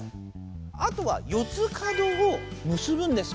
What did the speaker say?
あとは四つ角を結ぶんです